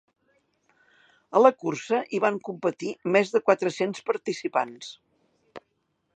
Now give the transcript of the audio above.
A la cursa hi van competir més de quatre-cents participants.